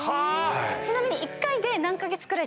ちなみに。